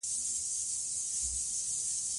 د مېلو پر مهال د بازۍ سیالۍ ترسره کیږي.